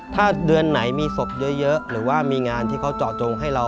ถ้าเดือนไหนมีศพเยอะหรือว่ามีงานที่เขาเจาะจงให้เรา